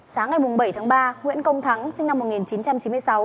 sáng ngày bảy tháng ba nguyễn công thắng sinh năm một nghìn chín trăm chín mươi sáu